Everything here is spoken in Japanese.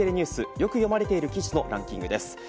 よく読まれている記事のランキングです。